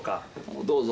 どうぞ。